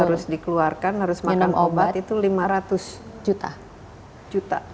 harus dikeluarkan harus makan obat itu lima ratus juta